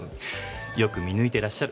よく見抜いてらっしゃる。